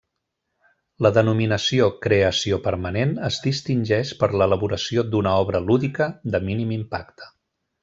La denominada 'Creació permanent' es distingeix per l'elaboració d'una obra lúdica de mínim impacte.